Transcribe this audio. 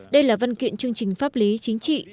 đây là văn kiện chương trình pháp lý chính trị